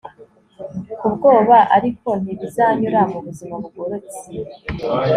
kubwoba, ariko ntibizanyura mubuzima bugoretse